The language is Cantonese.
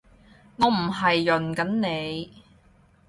我唔係潤緊你